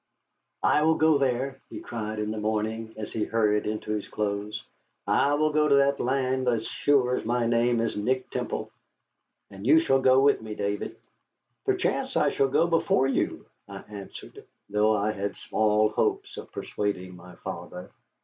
"I will go there," he cried in the morning, as he hurried into his clothes; "I will go to that land as sure as my name is Nick Temple. And you shall go with me, David." "Perchance I shall go before you," I answered, though I had small hopes of persuading my father.